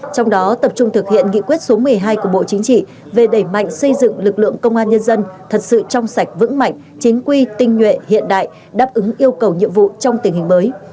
trong đó tập trung thực hiện nghị quyết số một mươi hai của bộ chính trị về đẩy mạnh xây dựng lực lượng công an nhân dân thật sự trong sạch vững mạnh chính quy tinh nhuệ hiện đại đáp ứng yêu cầu nhiệm vụ trong tình hình mới